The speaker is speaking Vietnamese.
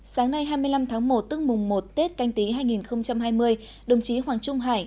sáng nay hai mươi năm tháng một tức mùng một tết canh tí hai nghìn hai mươi đồng chí hoàng trung hải